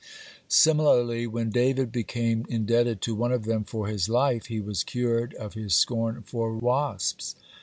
(47) Similarly, when David became indebted to one of them for his life, he was cured of his scorn for wasps.